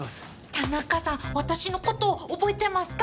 田中さん私の事覚えてますか？